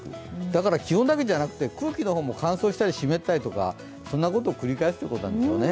だから気温だけじゃなくて空気乾燥したり湿ったり、そんなことを繰り返すということなんでしょうね。